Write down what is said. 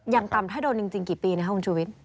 อย่างต่ำถ้าโดนจริงกี่ปีนะครับคุณชุวิต